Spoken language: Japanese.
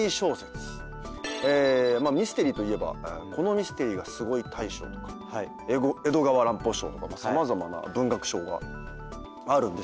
まあミステリーといえば『このミステリーがすごい！』大賞とか江戸川乱歩賞とか様々な文学賞があるんですよ。